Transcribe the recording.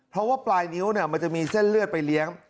เพราะว่าปลายนิ้วมันจะมีเส้นเลือดไปเลี้ยง